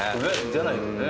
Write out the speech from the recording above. じゃないとね。